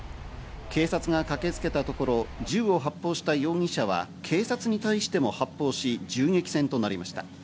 警察が駆けつけたところ、銃を発砲した容疑者は、警察に対しても発砲し銃撃戦となりました。